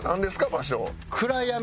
場所。